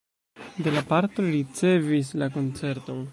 De la patro li ricevis la koncerton.